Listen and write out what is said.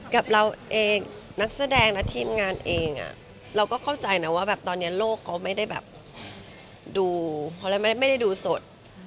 กับเราเองนักแสดงและทีมงานเองเราก็เข้าใจนะว่าแบบตอนนี้โลกเขาไม่ได้แบบดูเพราะเราไม่ได้ดูสด